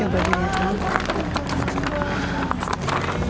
kok kayaknya serius banget sih suratnya